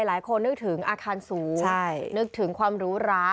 หลายคนนึกถึงอาคารสูงนึกถึงความรู้ร้า